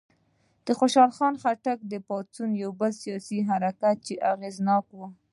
د خوشحال خان خټک پاڅون بل سیاسي حرکت و چې اغېزناک و.